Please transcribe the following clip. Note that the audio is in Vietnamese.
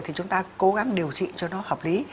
thì chúng ta cố gắng điều trị cho nó hợp lý